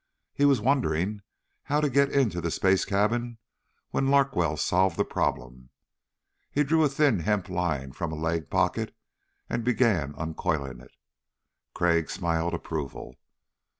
He was wondering how to get into the space cabin when Larkwell solved the problem. He drew a thin hemp line from a leg pocket and began uncoiling it. Crag smiled approval.